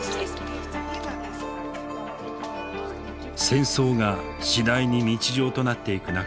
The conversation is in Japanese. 戦争が次第に日常となっていく中